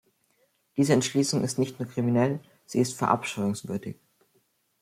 Diese Entschließung ist nicht nur kriminell, sie ist verabscheuungswürdig!